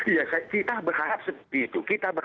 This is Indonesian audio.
ya kita berharap seperti itu